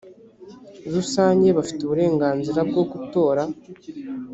rusange bafite uburenganzira bwo gutora